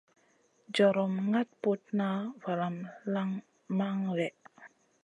Jorom ŋaɗ putna valamu lanŋ man lèh.